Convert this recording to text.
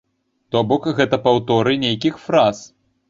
То бок, гэта паўторы нейкіх фраз.